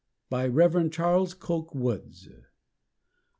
BY REV. CHARLES COKE WOODS.